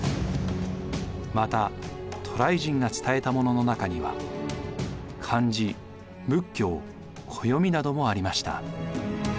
また渡来人が伝えたものの中には漢字仏教暦などもありました。